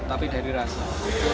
tapi dari rasa